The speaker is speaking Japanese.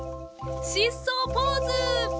疾走ポーズ！